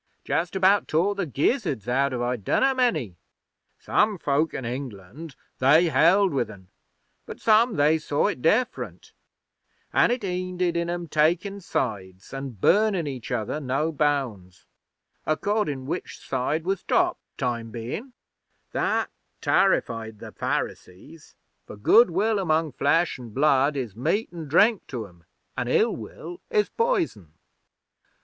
Justabout tore the gizzards out of I dunnamany. Some folk in England they held with 'en; but some they saw it different, an' it eended in 'em takin' sides an' burnin' each other no bounds, accordin' which side was top, time bein'. That tarrified the Pharisees: for Goodwill among Flesh an' Blood is meat an' drink to 'em, an' ill will is poison.'